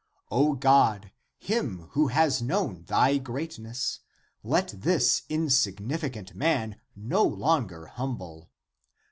O Father, him who has known thy (p. 32) greatness, let this insignificant man no longer humble